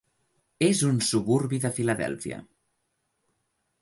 És un suburbi de Filadèlfia.